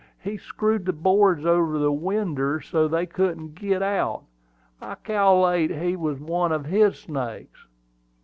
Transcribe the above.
He screwed the boards over the winder so they couldn't git out. I cal'late this was one of his snakes."